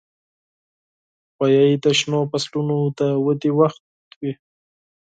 غویی د شنو فصلونو د ودې وخت وي.